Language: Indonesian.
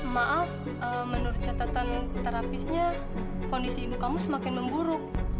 maaf menurut catatan terapisnya kondisi ibu kamu semakin memburuk